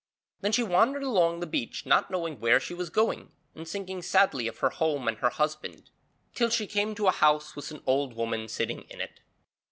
Then she wandered along the beach not knowing where she was going, and thinking sadly of her home and her husband, till she came to a house with an old woman sitting in it.